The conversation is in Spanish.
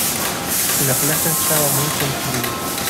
La plaza estaba muy concurrida